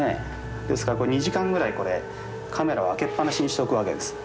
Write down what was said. ですから２時間ぐらいこれカメラを開けっ放しにしておくわけです。